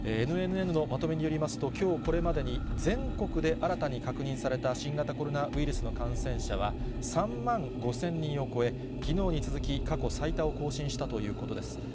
ＮＮＮのまとめによりますと、きょうこれまでに、全国で新たに確認された新型コロナウイルスの感染者は、３万５０００人を超え、きのうに続き過去最多を更新したということです。